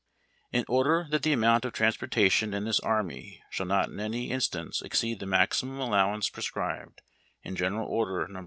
)' In order tliat the amount of transportation in this Army shall not in any instance exceed the maximum allowance prescribed in General Order, No.